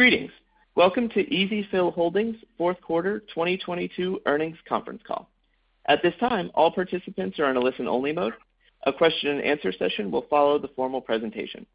Greetings. Welcome to EzFill Holdings Fourth Quarter 2022 Earnings Conference Call. At this time, all participants are in a listen-only mode. A question-and-answer session will follow the formal presentation.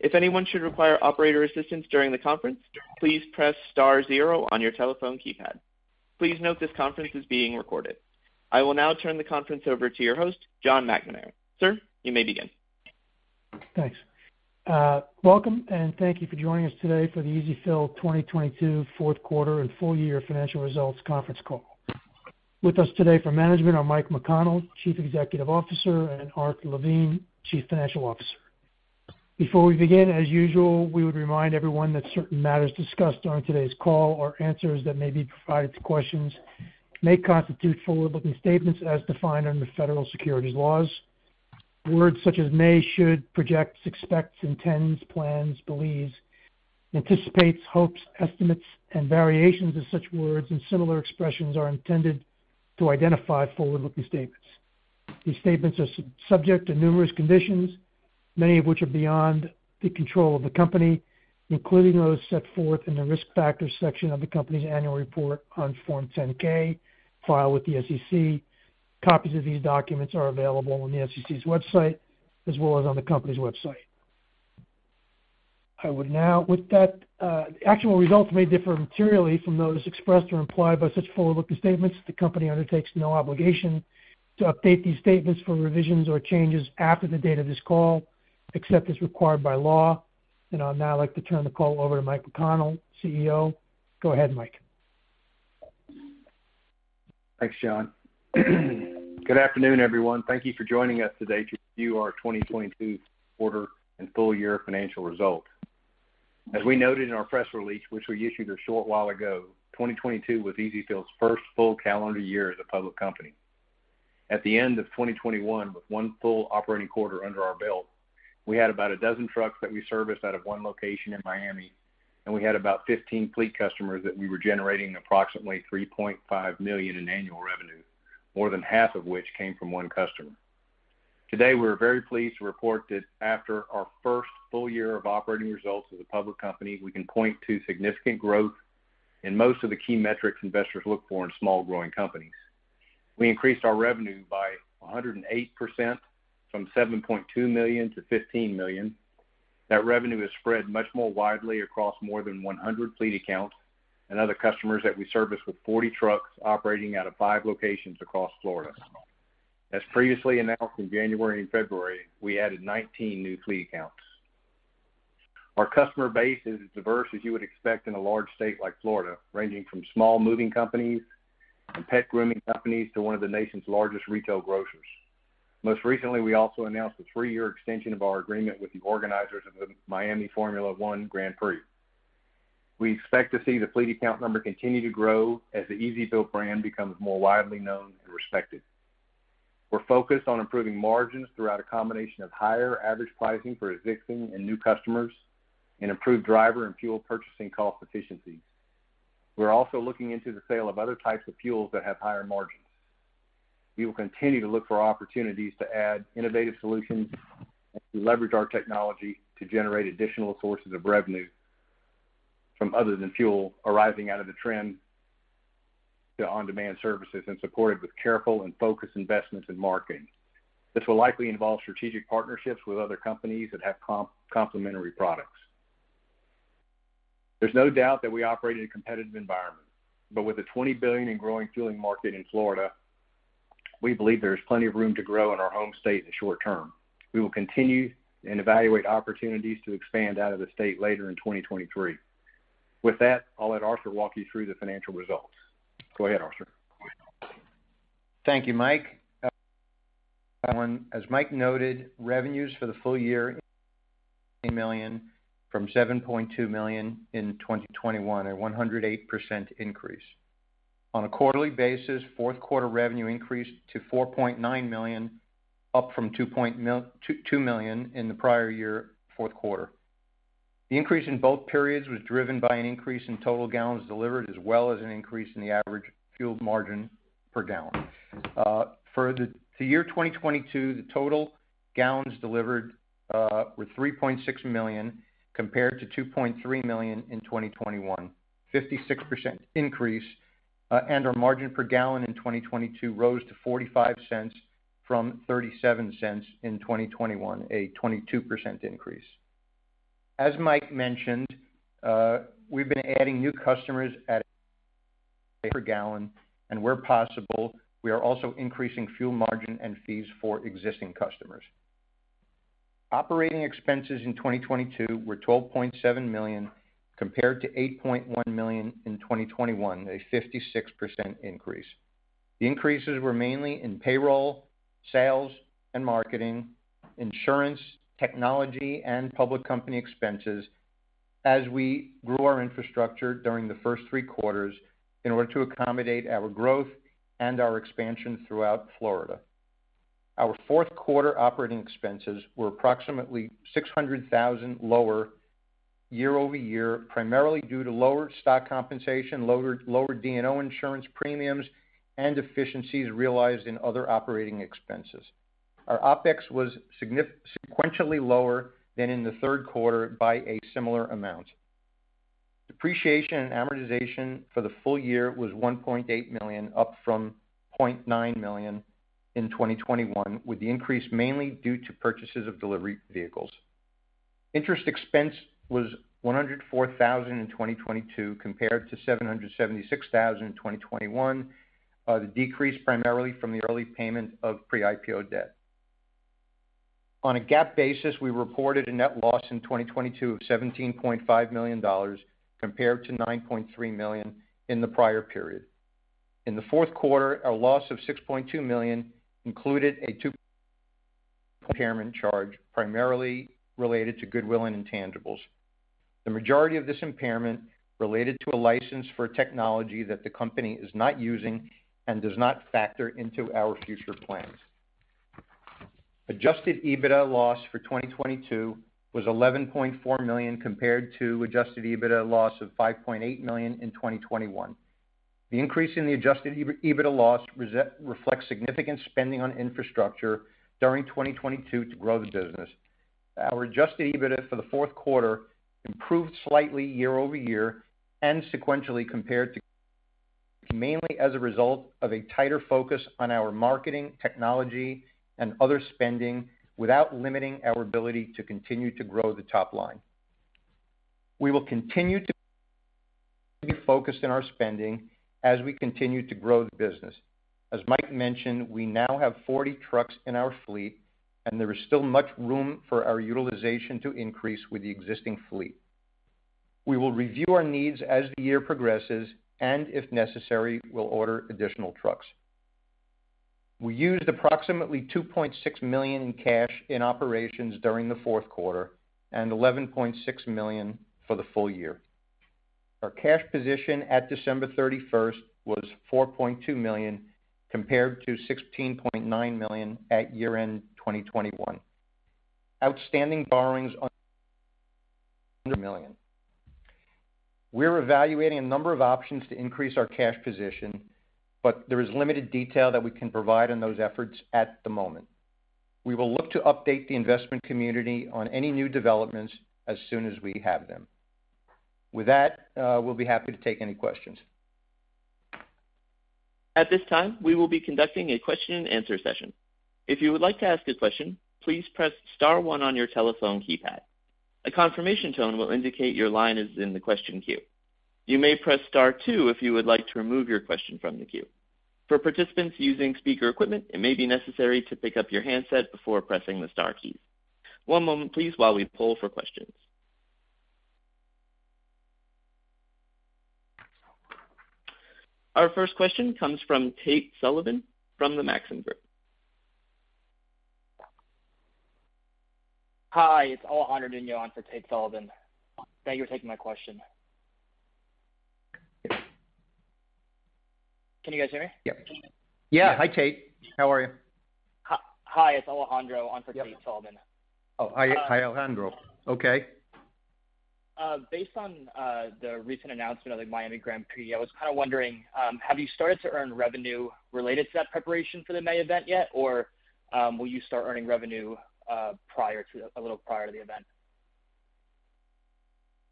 If anyone should require operator assistance during the conference, please press star zero on your telephone keypad. Please note this conference is being recorded. I will now turn the conference over to your host, John McNamara. Sir, you may begin. Thanks. Welcome and thank you for joining us today for the EzFill 2022 fourth quarter and full year financial results conference call. With us today for management are Mike McConnell, Chief Executive Officer, and Art Levine, Chief Financial Officer. Before we begin, as usual, we would remind everyone that certain matters discussed on today's call or answers that may be provided to questions may constitute forward-looking statements as defined under federal securities laws. Words such as may, should, projects, expects, intends, plans, believes, anticipates, hopes, estimates, and variations of such words and similar expressions are intended to identify forward-looking statements. These statements are subject to numerous conditions, many of which are beyond the control of the company, including those set forth in the Risk Factors section of the company's annual report on Form 10-K file with the SEC. Copies of these documents are available on the SEC's website as well as on the company's website. With that, actual results may differ materially from those expressed or implied by such forward-looking statements. The company undertakes no obligation to update these statements for revisions or changes after the date of this call, except as required by law. I'd now like to turn the call over to Mike McConnell, CEO. Go ahead, Mike. Thanks, John. Good afternoon, everyone. Thank you for joining us today to view our 2022 quarter and full year financial result. As we noted in our press release, which we issued a short while ago, 2022 was EzFill's first full calendar year as a public company. At the end of 2021, with one full operating quarter under our belt, we had about a dozen trucks that we serviced out of one location in Miami, and we had about 15 fleet customers that we were generating approximately $3.5 million in annual revenue, more than half of which came from one customer. Today, we're very pleased to report that after our first full year of operating results as a public company, we can point to significant growth in most of the key metrics investors look for in small growing companies. We increased our revenue by 108%, from $7.2 million to $15 million. That revenue is spread much more widely across more than 100 fleet accounts and other customers that we service with 40 trucks operating out of five locations across Florida. As previously announced in January and February, we added 19 new fleet accounts. Our customer base is as diverse as you would expect in a large state like Florida, ranging from small moving companies and pet grooming companies to one of the nation's largest retail grocers. Most recently, we also announced a three-year extension of our agreement with the organizers of the Miami Formula 1 Grand Prix. We expect to see the fleet account number continue to grow as the EzFill brand becomes more widely known and respected. We're focused on improving margins throughout a combination of higher average pricing for existing and new customers and improved driver and fuel purchasing cost efficiencies. We're also looking into the sale of other types of fuels that have higher margins. We will continue to look for opportunities to add innovative solutions and to leverage our technology to generate additional sources of revenue from other than fuel arising out of the trend to on-demand services and supported with careful and focused investments in marketing. This will likely involve strategic partnerships with other companies that have complementary products. There's no doubt that we operate in a competitive environment, but with a $20 billion in growing fueling market in Florida, we believe there's plenty of room to grow in our home state in the short term. We will continue and evaluate opportunities to expand out of the state later in 2023. With that, I'll let Arthur walk you through the financial results. Go ahead, Arthur. Thank you, Mike. As Mike noted, revenues for the full year, in million from $7.2 million in 2021, a 108% increase. On a quarterly basis, fourth quarter revenue increased to $4.9 million, up from $2 million in the prior year fourth quarter. The increase in both periods was driven by an increase in total gallons delivered as well as an increase in the average fuel margin per gallon. For the year 2022, the total gallons delivered were 3.6 million compared to 2.3 million in 2021, a 56% increase. Our margin per gallon in 2022 rose to $0.45 from $0.37 in 2021, a 22% increase. As Mike mentioned, we've been adding new customers at a per gallon, and where possible, we are also increasing fuel margin and fees for existing customers. Operating expenses in 2022 were $12.7 million, compared to $8.1 million in 2021, a 56% increase. The increases were mainly in payroll, sales and marketing, insurance, technology, and public company expenses as we grew our infrastructure during the first three quarters in order to accommodate our growth and our expansion throughout Florida. Our fourth quarter operating expenses were approximately $600,000 lower year-over-year, primarily due to lower stock compensation, lower D&O insurance premiums, and efficiencies realized in other operating expenses. Our OpEx was sequentially lower than in the third quarter by a similar amount. Depreciation and amortization for the full year was $1.8 million, up from $0.9 million in 2021, with the increase mainly due to purchases of delivery vehicles. Interest expense was $104,000 in 2022 compared to $776,000 in 2021. The decrease primarily from the early payment of pre-IPO debt. On a GAAP basis, we reported a net loss in 2022 of $17.5 million compared to $9.3 million in the prior period. In the fourth quarter, our loss of $6.2 million included a [$2 charge], primarily related to goodwill and intangibles. The majority of this impairment related to a license for technology that the company is not using and does not factor into our future plans. Adjusted EBITDA loss for 2022 was $11.4 million compared to adjusted EBITDA loss of $5.8 million in 2021. The increase in the adjusted EBITDA loss reflects significant spending on infrastructure during 2022 to grow the business. Our adjusted EBITDA for the fourth quarter improved slightly year-over-year and sequentially compared to, mainly as a result of a tighter focus on our marketing, technology, and other spending without limiting our ability to continue to grow the top line. We will continue to be focused in our spending as we continue to grow the business. As Mike mentioned, we now have 40 trucks in our fleet. There is still much room for our utilization to increase with the existing fleet. We will review our needs as the year progresses, and if necessary, we'll order additional trucks. We used approximately $2.6 million in cash in operations during the fourth quarter and $11.6 million for the full year. Our cash position at December 31st was $4.2 million, compared to $16.9 million at year-end 2021. Outstanding borrowings on million. We're evaluating a number of options to increase our cash position, but there is limited detail that we can provide on those efforts at the moment. We will look to update the investment community on any new developments as soon as we have them. With that, we'll be happy to take any questions. At this time, we will be conducting a question and answer session. If you would like to ask a question, please press star one on your telephone keypad. A confirmation tone will indicate your line is in the question queue. You may press star two if you would like to remove your question from the queue. For participants using speaker equipment, it may be necessary to pick up your handset before pressing the star key. One moment please while we poll for questions. Our first question comes from Tate Sullivan from Maxim Group. Hi, it's Alejandro Nuño on for Tate Sullivan. Thank you for taking my question. Can you guys hear me? Yep. Yeah. Hi, Tate. How are you? Hi. It's Alejandro on for Tate Sullivan. Oh, hi, Alejandro. Okay. Based on the recent announcement of the Miami Grand Prix, I was kinda wondering, have you started to earn revenue related to that preparation for the May event yet? Or, will you start earning revenue a little prior to the event?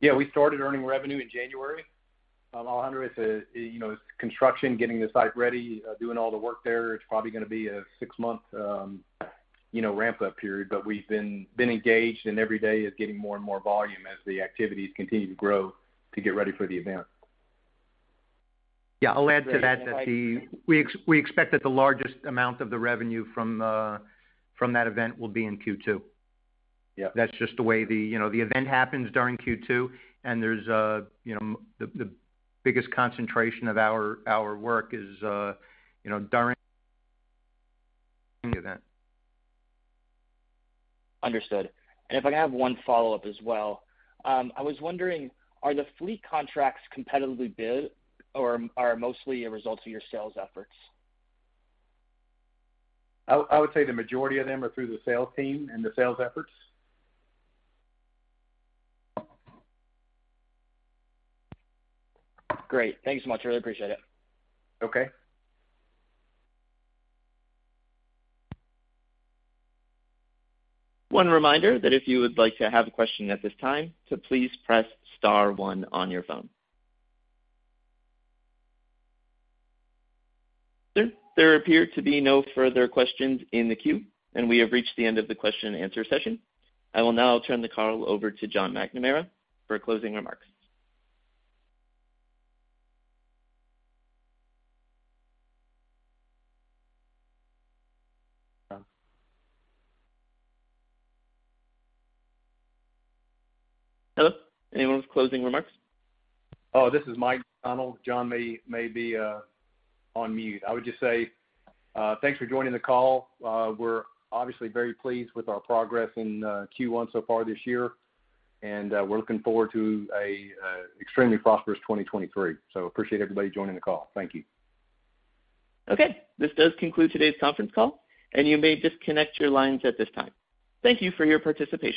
Yeah, we started earning revenue in January. Alejandro, you know, it's construction, getting the site ready, doing all the work there. It's probably gonna be a six-month, you know, ramp-up period. We've been engaged, and every day is getting more and more volume as the activities continue to grow to get ready for the event. Yeah, I'll add to that we expect that the largest amount of the revenue from that event will be in Q2. Yeah. That's just the way the, you know, the event happens during Q2, and there's, you know, the biggest concentration of our work is, you know, during event. Understood. If I can have one follow-up as well. I was wondering, are the fleet contracts competitively bid or are mostly a result of your sales efforts? I would say the majority of them are through the sales team and the sales efforts. Great. Thank you so much. Really appreciate it. Okay. One reminder that if you would like to have a question at this time, to please press star one on your phone. Sir, there appear to be no further questions in the queue. We have reached the end of the question and answer session. I will now turn the call over to John McNamara for closing remarks. Hello, anyone with closing remarks? This is Mike McConnell. John may be on mute. I would just say, thanks for joining the call. We're obviously very pleased with our progress in Q1 so far this year, and we're looking forward to a extremely prosperous 2023. Appreciate everybody joining the call. Thank you. Okay. This does conclude today's conference call. You may disconnect your lines at this time. Thank you for your participation.